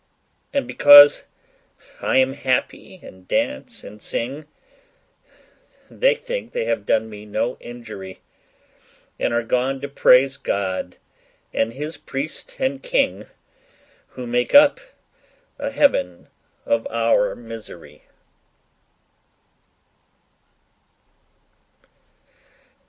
'And because I am happy and dance and sing, They think they have done me no injury, And are gone to praise God and His priest and king, Who made up a heaven of our misery.